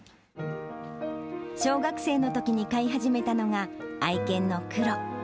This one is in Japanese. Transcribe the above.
小学生のときに飼い始めたのが、愛犬のクロ。